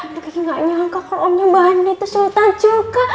aduh kiki gak nyangka kalo omnya mba andien itu sultan juga